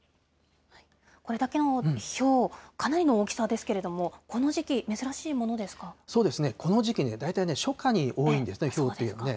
これだけのひょう、かなりの大きさですけれども、この時期、そうですね、この時期ね、大体ね、初夏に多いんですね、ひょうというのは。